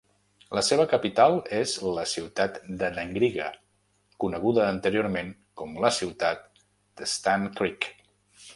La seva capital és la ciutat de Dangriga, coneguda anteriorment com "la Ciutat de Stann Creek".